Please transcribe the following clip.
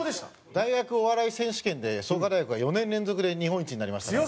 大学お笑い選手権で創価大学が４年連続で日本一になりましたから。